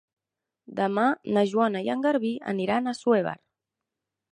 Demà na Joana i en Garbí aniran a Assuévar.